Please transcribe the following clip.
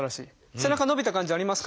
背中伸びた感じありますか？